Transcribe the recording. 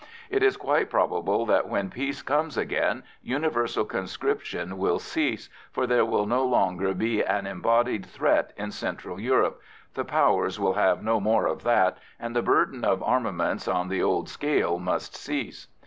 It is quite probable that when peace comes again, universal conscription will cease, for there will no longer be an embodied threat in central Europe the Powers will have no more of that, and the burden of armaments on the old scale must cease.